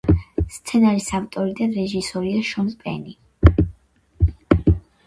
სცენარის ავტორი და რეჟისორია შონ პენი.